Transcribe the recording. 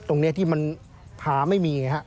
ตรงนี้ที่มันพาไม่มี